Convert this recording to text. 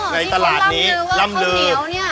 ในตลาดนี้ล่ำลือ